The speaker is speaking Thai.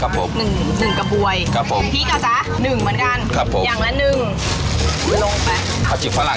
เพราะว่าน้ำเหลือดแล้ว